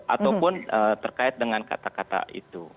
ataupun terkait dengan kata kata itu